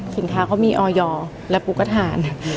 สินค้าเขามีออยและปูก็ทาน